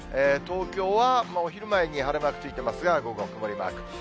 東京は昼前に晴れマークついてますが、午後は曇りマーク。